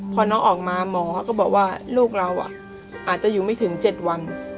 พอน้องออกมาหมอเขาก็บอกว่าลูกเราอาจจะอยู่ไม่ถึง๗วัน